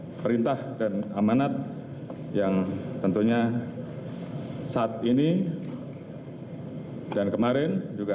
ada perintah dan amanat yang tentunya saat ini dan kemarin juga